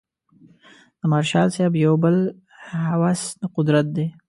د مارشال صاحب یو بل هوس د قدرت دی.